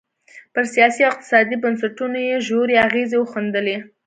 پر سیاسي او اقتصادي بنسټونو یې ژورې اغېزې وښندلې.